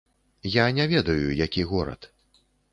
Я не ведаю, які горад.